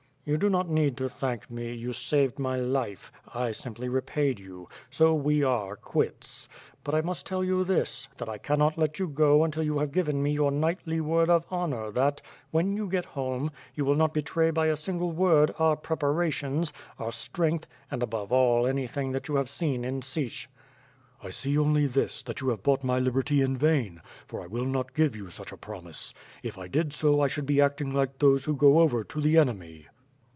"You do not need to thank me, you saved my life, I have simply repaid you. So we are quits. But I must tell you this, that I cannot let you go until you have given me your knightly word of honor that, when you get home, you will not betray by a single word our preparations, our strength, and above all, anything that you have seen in Sich." "I see only this, that you have bought my liberty in vain, for I will not give 3'ou such a promise; if I did so 1 should be acting like those who go over to the enemy."